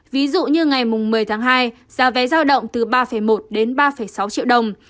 ví dụ như ngày một mươi tháng hai giá vé giao động từ ba một đến ba sáu triệu đồng